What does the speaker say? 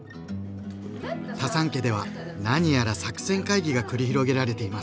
タサン家では何やら作戦会議が繰り広げられています。